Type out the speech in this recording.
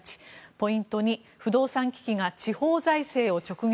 ポイント２不動産危機が地方財政を直撃。